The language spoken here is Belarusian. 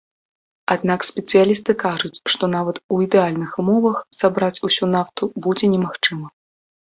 Аднак спецыялісты кажуць, што нават у ідэальных умовах сабраць усю нафту будзе немагчыма.